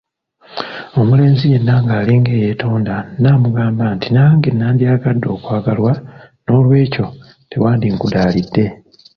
Omulenzi yenna nga alinga eyeetonda n’amugamba nti “Nange nandyagadde okwagalwa n’olwekyo tewandinkudaalidde”.